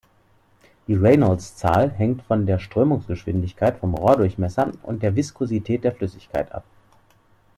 Die Reynolds-Zahl hängt von der Strömungsgeschwindigkeit, vom Rohrdurchmesser und der Viskosität der Flüssigkeit ab.